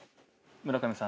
村上さんの。